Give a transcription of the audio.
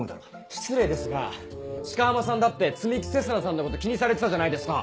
失礼ですが鹿浜さんだって摘木星砂さんのこと気にされてたじゃないですか。